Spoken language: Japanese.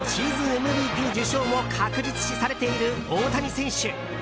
ア・リーグのシーズンＭＶＰ受賞も確実視されている大谷選手。